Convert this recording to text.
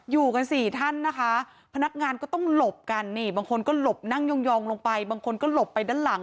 อยู่กันสี่ท่านนะคะพนักงานก็ต้องหลบกันนี่บางคนก็หลบนั่งยองลงไปบางคนก็หลบไปด้านหลัง